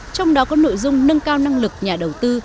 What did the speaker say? trong đó có nội dung nâng cao năng lực nhà đầu tư